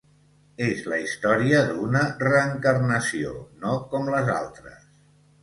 És la història d'una reencarnació, no com les altres.